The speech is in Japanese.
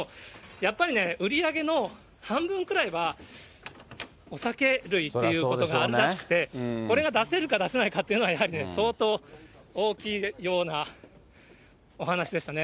やっぱりね、売り上げの半分くらいはお酒類っていうことがあるらしくて、これが出せるか出せないかというのは、相当大きいようなお話でしたね。